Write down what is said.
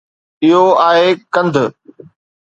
اهو آهي ڪنڌ